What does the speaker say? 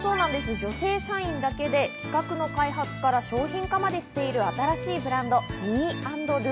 女性社員だけで企画の開発から商品化までしている新しいブランド、ｍｅ＆ｄｏ。